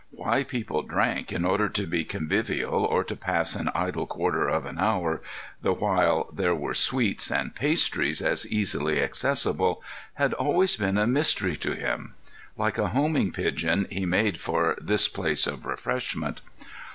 Why people drank in order to be convivial or to pass an idle quarter of an hour, the while there were sweets and pastries as easily accessible, had always been a mystery to him. Like a homing pigeon, he made for this place of refreshment.